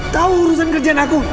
tahu urusan kerjaan aku